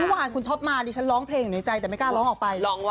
วันคุณท็อปมาอ่ะสิฉันร้องเพลงในใจแต่ไม่กล้าร้องออกไป